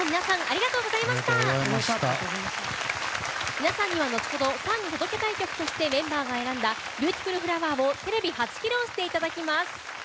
皆さんには後ほどファンに届けたい曲としてメンバーが選んだ「ＢｅａｕｔｉｆｕｌＦｌｏｗｅｒ」をテレビ初披露していただきます。